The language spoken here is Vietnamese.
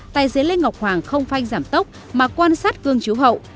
tài xế lê ngọc hoàng không phanh giảm tốc mà quan sát cương chiếu hậu